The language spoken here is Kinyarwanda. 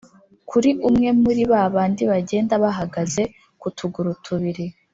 kuri umwe muri ba bandi bagenda bahagaze ku tuguru tubiri